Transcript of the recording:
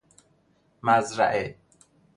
مزرعه